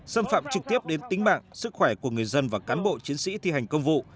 xâm phạm trực tiếp đến tính mạng sức khỏe của người dân và cán bộ chiến sĩ thi hành công vụ